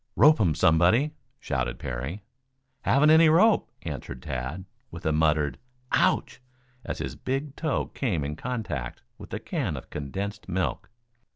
"Rope him, somebody!" shouted Parry. "Haven't any rope," answered Tad, with a muttered "Ouch!" as his big toe came in contact with the can of condensed milk.